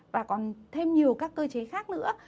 và còn thêm nhiều các cơ chế khác nữa